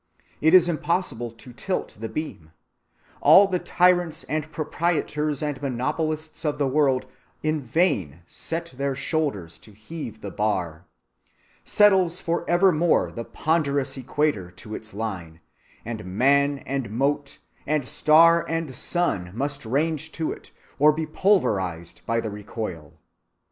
It is impossible to tilt the beam. All the tyrants and proprietors and monopolists of the world in vain set their shoulders to heave the bar. Settles forevermore the ponderous equator to its line, and man and mote, and star and sun, must range to it, or be pulverized by the recoil."